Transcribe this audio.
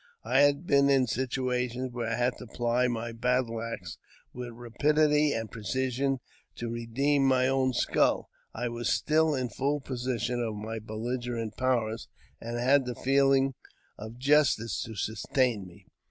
I had been in situations where I had to ply my battle axe with rapidity and precision to redeem my own skull. I I 320 AUTOBIOGEAPHY OF was still in full possession of my belligerent powers, and I had the feeling of justice to sustain me.